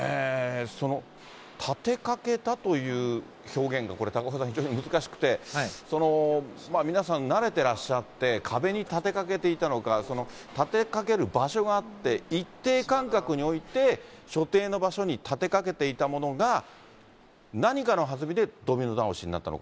その立てかけたという表現が、これ、高岡さん、非常に難しくて、皆さん慣れてらっしゃって、壁に立てかけていたのか、立てかける場所があって、一定間隔に置いて、所定の場所に立てかけていたものが、何かのはずみでドミノ倒しになったのか。